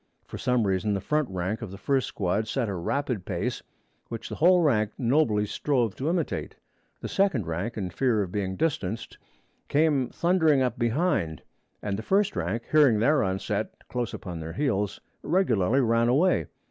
For some reason the front rank of the first squad set a rapid pace, which the whole rank nobly strove to imitate. The second rank, in fear of being distanced, came thundering up behind, and the first rank, hearing their onset close upon their heels, regularly ran away.